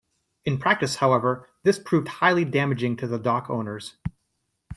In practice, however, this proved highly damaging to the dock owners.